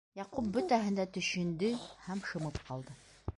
Яҡуп бөтәһен дә төшөндө һәм шымып ҡалды.